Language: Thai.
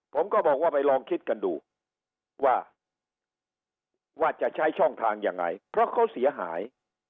ผมก็บอกว่าไปลองคิดกันดูว่าจะใช้ช่องทางยังไงเพราะเขาเสียหาย